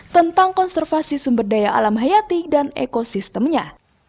tentang konservasi sumber daya alam hayati dan ekosistemnya